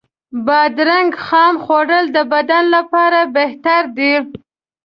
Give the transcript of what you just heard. بادرنګ خام خوړل د بدن لپاره بهتر دی.